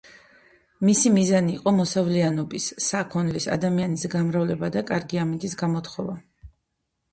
მისი მიზანი იყო მოსავლიანობის, საქონლის, ადამიანის გამრავლება და კარგი ამინდის გამოთხოვა.